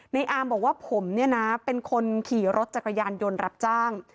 ในอาร์มบอกว่าผมเป็นคนขี่รถจักรยานยนต์รับจ้าง